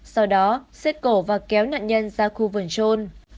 sau đó xết cổ và kéo nạn nhân ra khu vườn trôn